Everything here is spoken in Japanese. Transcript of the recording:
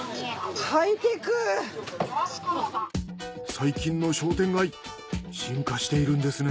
最近の商店街進化しているんですね。